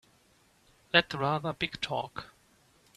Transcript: That's rather big talk!